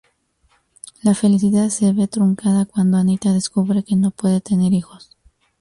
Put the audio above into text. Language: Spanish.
La felicidad se ve truncada cuando Anita descubre que no puede tener hijos.